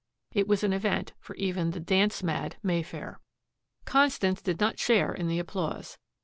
It was an event for even the dance mad Mayfair. Constance did not share in the applause.